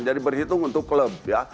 jadi berhitung untuk klub ya